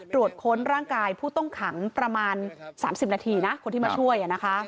ค้นร่างกายผู้ต้องขังประมาณ๓๐นาทีนะคนที่มาช่วย